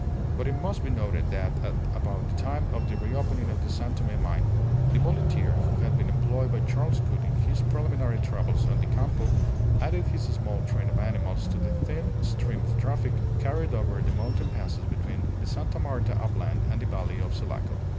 But it must be noted that at about the time of the re opening of the San Tome mine the muleteer who had been employed by Charles Gould in his preliminary travels on the Campo added his small train of animals to the thin stream of traffic carried over the mountain passes between the Sta. Marta upland and the Valley of Sulaco.